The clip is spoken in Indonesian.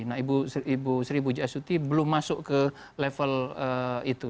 nah ibu sri pujiastuti belum masuk ke level itu